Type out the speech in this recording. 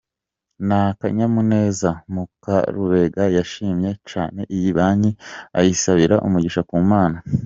N’akanyamuneza, Mukarubega yashimye cyane iyi Banki ayisabira umugisha ku Mana.